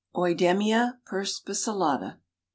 (_Oidemia perspicillata.